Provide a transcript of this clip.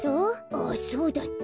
あっそうだった。